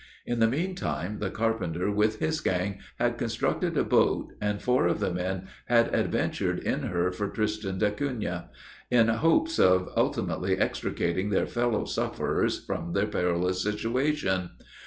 In the meantime, the carpenter with his gang had constructed a boat, and four of the men had adventured in her for Tristan d'Acunha, in hopes of ultimately extricating their fellow sufferers from their perilous situation.